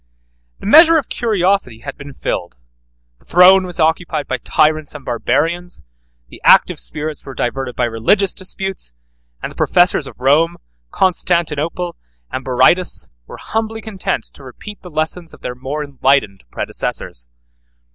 The measure of curiosity had been filled: the throne was occupied by tyrants and Barbarians, the active spirits were diverted by religious disputes, and the professors of Rome, Constantinople, and Berytus, were humbly content to repeat the lessons of their more enlightened predecessors.